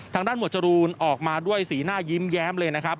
หมวดจรูนออกมาด้วยสีหน้ายิ้มแย้มเลยนะครับ